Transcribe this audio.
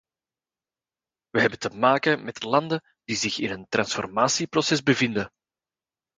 We hebben te maken met landen die zich in een transformatieproces bevinden.